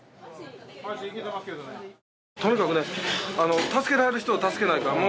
とにかくね助けられる人を助けないかん。